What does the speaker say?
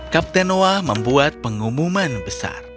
kapten noah membuat pengumuman besar